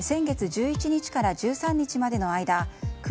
先月１１日から１３日までの間